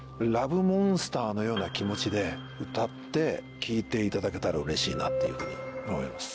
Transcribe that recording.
モンスターのような気持ちで歌って聴いていただけたらうれしいなっていうふうに思います。ＷｏｗＨｅｙ